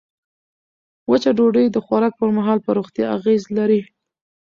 وچه ډوډۍ د خوراک پر مهال پر روغتیا اغېز لري.